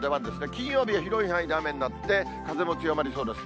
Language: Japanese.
金曜日が広い範囲で雨になって、風も強まりそうです。